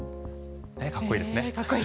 かっこいいですね。